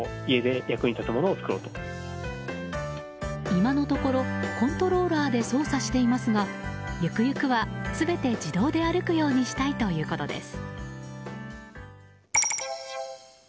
今のところ、コントローラーで操作していますがゆくゆくは全て自動で歩くようにしたいということです。